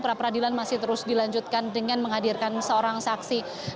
pra peradilan masih terus dilanjutkan dengan menghadirkan seorang saksi